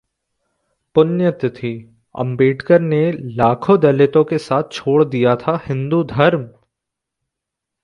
पुण्यतिथि: अंबेडकर ने लाखों दलितों के साथ छोड़ दिया था हिंदू धर्म!